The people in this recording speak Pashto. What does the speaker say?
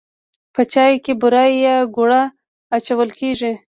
په چای کې بوره یا ګوړه اچول کیږي.